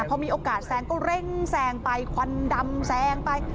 พอมีโอกาสแซงก็เร่งแซงไปควันดำแซงไป